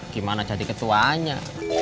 gimana jadi ketuanya